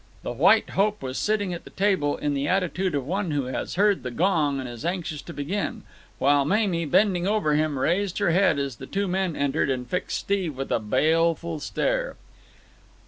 The White Hope was sitting at the table in the attitude of one who has heard the gong and is anxious to begin; while Mamie, bending over him, raised her head as the two men entered and fixed Steve with a baleful stare.